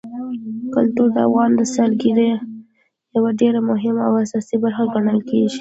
کلتور د افغانستان د سیلګرۍ یوه ډېره مهمه او اساسي برخه ګڼل کېږي.